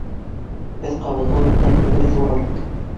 Беҙ ҡабыҙған уттар һүнмәҫ улар